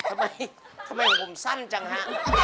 ทำไมทำไมผมสั้นจังฮะ